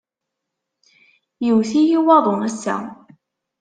Yewwet-iyi waḍu ass-a.